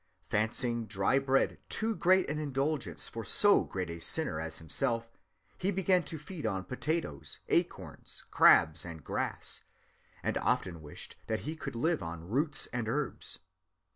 Fancying dry bread too great an indulgence for so great a sinner as himself, he began to feed on potatoes, acorns, crabs, and grass; and often wished that he could live on roots and herbs.